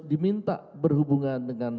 diminta berhubungan dengan